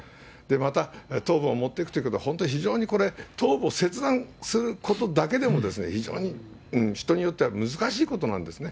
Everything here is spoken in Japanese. また、頭部を持っていくというけど、本当に非常にこれ、頭部を切断することだけでも、非常に人によっては難しいことなんですね。